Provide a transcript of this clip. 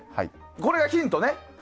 これがヒントね。